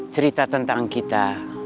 cerita tentang kita